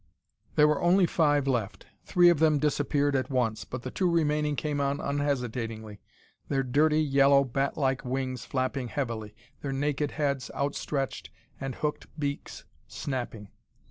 There were only five left. Three of them disappeared at once, but the two remaining came on unhesitatingly, their dirty yellow bat like wings flapping heavily, their naked heads outstretched, and hooked beaks snapping.